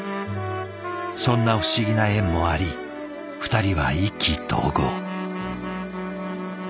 そんな不思議な縁もあり２人は意気投合。